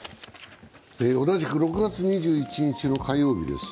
同じく６月２１日の火曜日です。